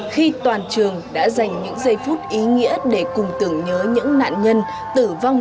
khi toàn trường đã dành những giây phút ý nghĩa để cùng tưởng nhớ những nạn nhân tử vong